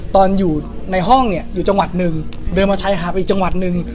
ตอนอยู่ในห้องเนี่ยอยู่จังหวัดหนึ่งเดินมาชายหาดไปอีกจังหวัดหนึ่ง